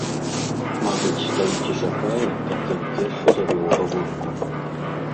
Мабыць, стаіць і чакае, каб ён першы завёў гаворку.